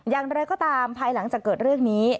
อย่างไรก็ตามภายหลังจากเกิดเรื่องนี้